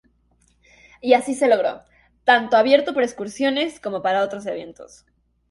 Y así se logró, tanto abierto para excursiones como para otros eventos.